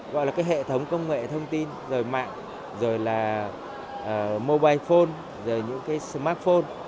gọi là cái hệ thống công nghệ thông tin rồi mạng rồi là mobile phone rồi những cái smartphone